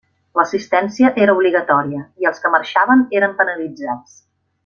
L'assistència era obligatòria, i els que marxaven eren penalitzats.